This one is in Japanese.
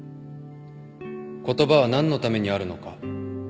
言葉は何のためにあるのか。